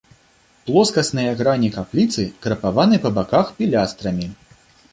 Плоскасныя грані капліцы крапаваны па баках пілястрамі.